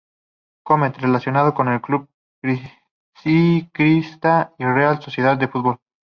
Comet" relacionada con el Club Ciclista y la Real Sociedad de Fútbol.